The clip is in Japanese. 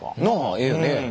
ええよね。